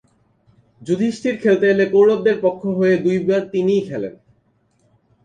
যুধিষ্ঠির খেলতে এলে কৌরবদের পক্ষ হয়ে দুইবার তিনিই খেলেন।